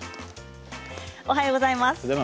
おはようございます。